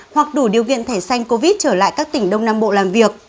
hoặc đủ điều kiện thẻ xanh covid trở lại các tỉnh đông nam bộ làm việc